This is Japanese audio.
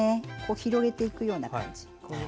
広げていくような感じ。